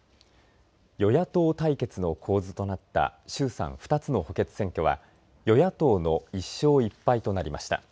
与野党対決の構図となった衆参４つの補欠選挙は与野党の１勝１敗となりました。